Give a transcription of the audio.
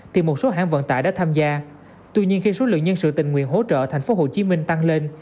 thì một số hãng vận tải đã tham gia tuy nhiên khi số lượng nhân sự tình nguyện hỗ trợ tp hcm tăng lên